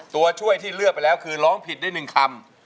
ตัวช่วยที่เลือกไปแล้วคือร้องผิดได้๑คำ